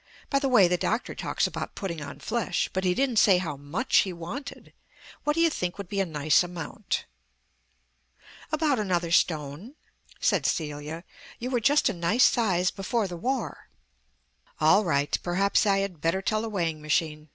By the way, the doctor talks about putting on flesh, but he didn't say how much he wanted. What do you think would be a nice amount?" "About another stone," said Celia. "You were just a nice size before the War." "All right. Perhaps I had better tell the weighing machine.